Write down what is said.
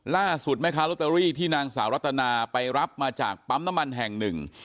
ล่าสุดไหมคะโรตเตอรี่ที่นางสาวรัตนาไปรับมาจากปั๊มน้ำมันแห่งหนึ่ง